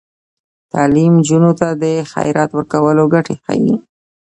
تعلیم نجونو ته د خیرات ورکولو ګټې ښيي.